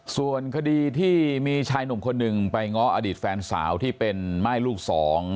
ส่วนคดีที่มีชายหนุ่มคนหนึ่งไปง้ออดีตแฟนสาวที่เป็นม่ายลูกสอง